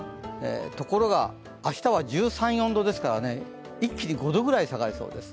ところが明日は１３１４度ですからね、一気に５度ぐらい下がりそうです。